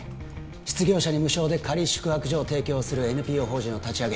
失業者に無償で仮宿泊所を提供するＮＰＯ法人を立ち上げ